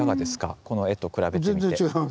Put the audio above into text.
この絵と比べてみて。